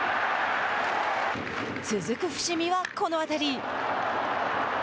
続く、伏見はこの当たり。